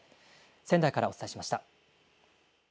仙台からお伝えしました。